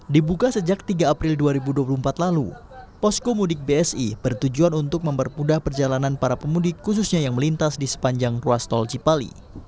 dibuka sejak tiga april dua ribu dua puluh empat lalu poskomudik bsi bertujuan untuk mempermudah perjalanan para pemudik khususnya yang melintas di sepanjang ruas tol cipali